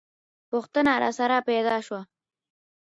پوښتنه راسره پیدا شوه.